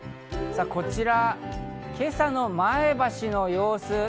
こちら、今朝の前橋の様子。